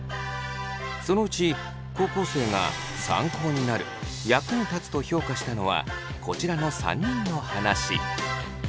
そのうち高校生が「参考になる」「役に立つ」と評価したのはこちらの３人の話。